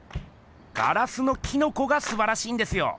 ガラスのキノコがすばらしいんですよ。